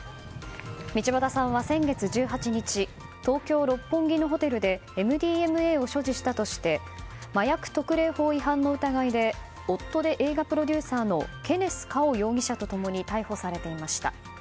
道端さんは先月１８日東京・六本木のホテルでＭＤＭＡを所持したとして麻薬特例法違反の疑いで夫で映画プロデューサーのケネス・カオ容疑者と共に逮捕されていました。